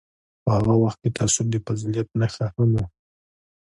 په هغه وخت کې تعصب د فضیلت نښه هم وه.